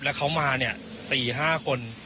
แล้วเขามาเนี่ย๔๕คน